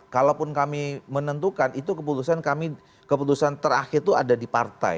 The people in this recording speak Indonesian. kalaupun kami menentukan itu keputusan kami keputusan terakhir itu ada di partai